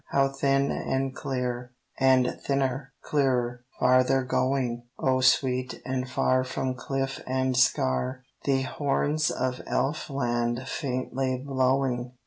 how thin and clear, And thinner, clearer, farther going ! O sweet and far from cliff and scar The horns of Elf land faintly blowing!